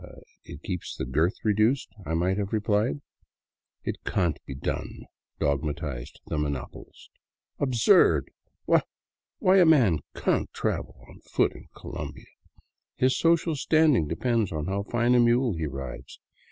" It keeps the girth reduced," I might have replied. " It cahn't be done," dogmatized the monopolist. " Absurd I Why — why — a man cahn't travel on foot in Colombia. His social stand ing depends on how fine a mule he rides.